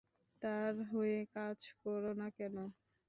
তার হয়ে কাজ করো না কেন?